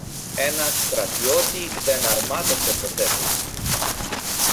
Ένα στρατιώτη δεν αρμάτωσε ποτέ του.